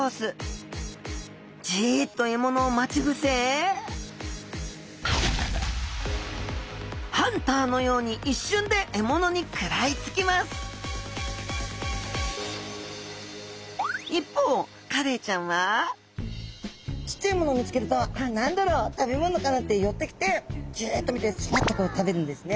じっと獲物を待ち伏せハンターのように一瞬で獲物に食らいつきます一方カレイちゃんはちっちゃい獲物を見つけるとあっ何だろう食べ物かなって寄ってきてジッと見てズバッとこう食べるんですね。